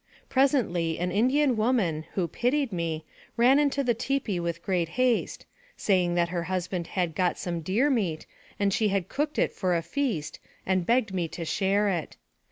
Presently an Indian woman, who pitied me, ran into the tipi in great haste, saying that her husband had got some deer meat, and she had cooked it for a feast, and begged me to share it.